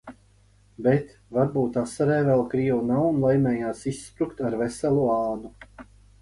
"Bet, varbūt Asarē vēl krievu nav un laimējās izsprukt "ar veselu ādu"."